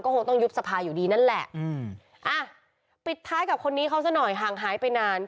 คงต้องยุบสภาอยู่ดีนั่นแหละอืมอ่ะปิดท้ายกับคนนี้เขาซะหน่อยห่างหายไปนาน